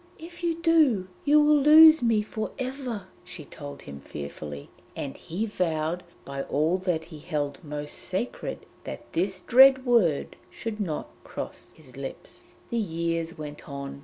'If you do, you will lose me for ever,' she told him fearfully, and he vowed by all that he held most sacred that this dread word should not cross his lips. The years went on.